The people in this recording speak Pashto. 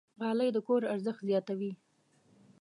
غالۍ د کور ارزښت زیاتوي.